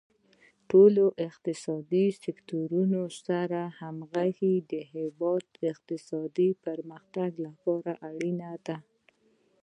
د ټولو اقتصادي سکتورونو سره همغږي د هیواد د اقتصادي پرمختګ لپاره اړینه ده.